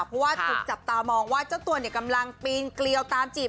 เพราะว่าถูกจับตามองว่าเจ้าตัวเนี่ยกำลังปีนเกลียวตามจีบ